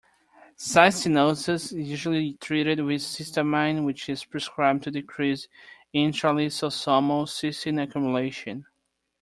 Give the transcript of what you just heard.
Cystinosis is usually treated with cysteamine, which is prescribed to decrease intralysosomal cystine accumulation.